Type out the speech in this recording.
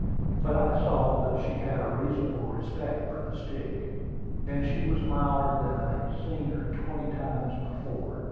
But I saw that she had a reasonable respect for the stick, and she was milder than I had seen her twenty times before.